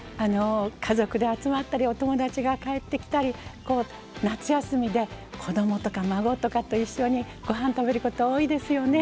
家族で集まったりお友達が帰ってきたり夏休みで子供とか孫とかと一緒にご飯食べること多いですよね。